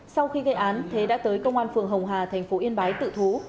sau khi gây án thế đã tới công an phường hồng hà thành phố yên bái tự thú